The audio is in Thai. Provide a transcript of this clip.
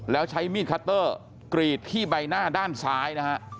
แล้วใช้มีดคัตเตอร์กรีดที่ใบหน้าด้านซ้ายนะฮะ